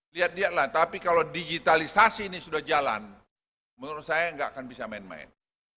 lihat lihatlah tapi kalau digitalisasi ini sudah jalan menurut saya nggak akan bisa main main